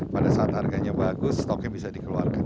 pada saat harganya bagus stoknya bisa dikeluarkan